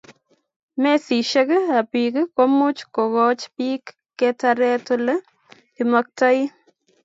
mesisiishek ab piik ko much kokoch piik ketaret ole kimaktoi